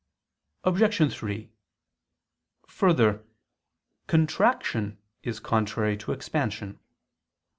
Obj. 3: Further, contraction is contrary to expansion.